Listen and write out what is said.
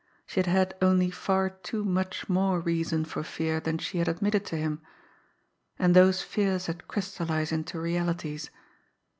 She had had only far too much more reason for fear than she had admitted to him; and those fears had crystallised into realities.